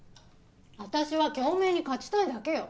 私は京明に勝ちたいだけよ。